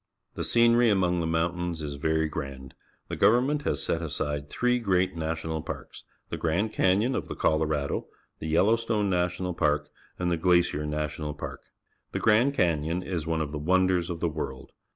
The scenery among the mountains is very grand. The government has set aside three great National Parks — the Gran d Canyon of _the Colorado, the Yellows tone N ational Parjc^ _and the Glacier National Park. The Grand Canyon is one of the wonders of the world.